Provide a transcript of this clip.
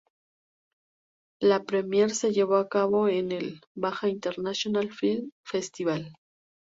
La premier se llevó a cabo en el "Baja International Film Festival".